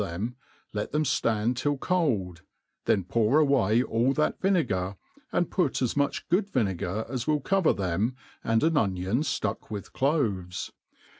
them, let them flarid till cold; then pour away all that vinegar, and put as much good vinegar as will cover them, and an onion iluck with cloves.